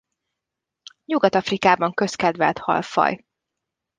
Nyugat-Afrikában közkedvelt halfaj.